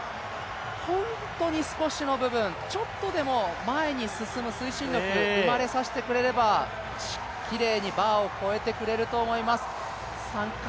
本当に少しの部分ちょっとでも前に進む推進力、生まれさせてくれればきれいにバーを越えてくれると思います。